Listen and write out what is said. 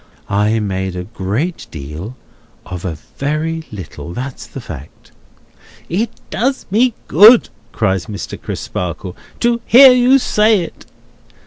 I made a great deal of a very little; that's the fact." "It does me good," cries Mr. Crisparkle, "to hear you say it!"